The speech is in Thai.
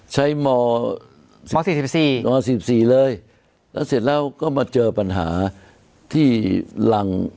ใช้ม๔๔ม๑๔เลยแล้วเสร็จแล้วก็มาเจอปัญหาที่หลัง